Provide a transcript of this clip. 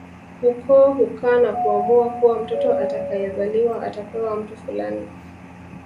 Ukoo hukaa na kuamua kuwa mtoto atakayezaliwa atapewa mtu fulani